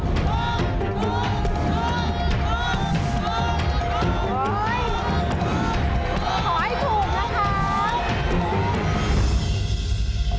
ขอให้ถูกนะคะ